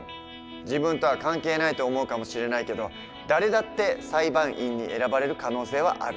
自分とは関係ないと思うかもしれないけど誰だって裁判員に選ばれる可能性はある。